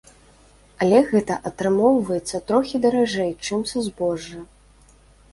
Але гэта атрымоўваецца трохі даражэй чым са збожжа.